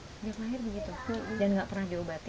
sejak lahir begitu dan enggak pernah diobatin